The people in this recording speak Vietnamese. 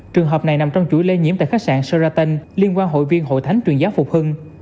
trường hợp này nằm trong chuỗi lây nhiễm tại khách sạn soraton liên quan hội viên hội thánh trường giáo phục hưng